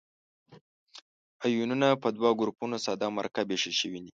آیونونه په دوه ګروپو ساده او مرکب ویشل شوي دي.